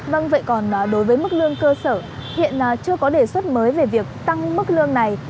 vâng vậy còn đối với mức lương cơ sở hiện chưa có đề xuất mới về việc tăng mức lương này